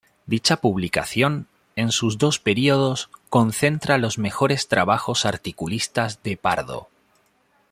Dicha publicación, en sus dos periodos, concentra los mejores trabajos articulistas de Pardo.